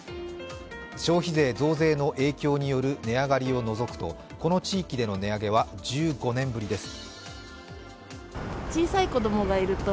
消費税増税の影響による値上がりを除くとこの地域での値上げは１５年ぶりです。